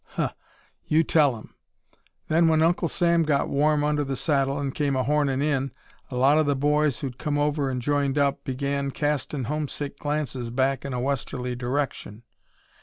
Huh! You tell 'em! Then when Uncle Sam got warm under the saddle and came hornin' in, a lot of the boys who'd come over and joined up began castin' homesick glances back in a westerly direction.